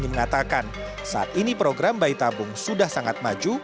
mengatakan saat ini program bayi tabung sudah sangat maju